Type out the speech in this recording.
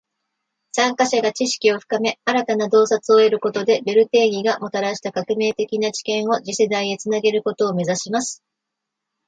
参加者が知識を深め，新たな洞察を得ることで，ベル定理がもたらした革命的な知見を次世代へと繋げることを目指します．